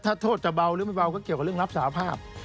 ถ้าโทษจะเบาหรือไม่เบาก็เกี่ยวกับเรื่องรับสาภาพ